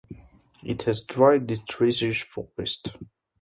It has Dry Deciduous Forest.